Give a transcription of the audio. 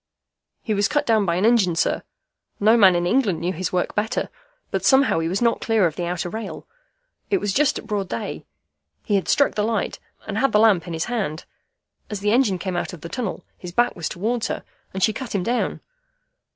"He was cut down by an engine, sir. No man in England knew his work better. But somehow he was not clear of the outer rail. It was just at broad day. He had struck the light, and had the lamp in his hand. As the engine came out of the tunnel, his back was towards her, and she cut him down.